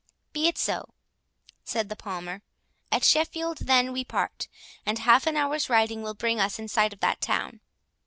"Be it so," said the Palmer; "at Sheffield then we part, and half an hour's riding will bring us in sight of that town."